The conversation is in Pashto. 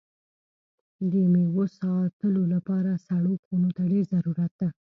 د میوو ساتلو لپاره سړو خونو ته ډېر ضرورت ده.